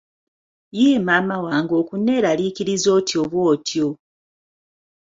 Yii mwana wange okuneerarikiriza otyo bw'otyo!